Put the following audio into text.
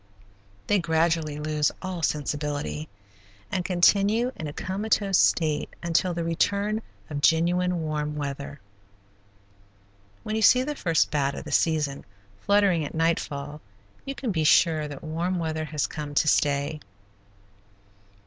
They gradually lose all sensibility, and continue in a comatose state until the return of genuine warm weather. When you see the first bat of the season fluttering at nightfall you can be sure that warm weather has come to stay.